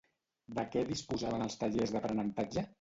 De què disposaven els tallers d'aprenentatge?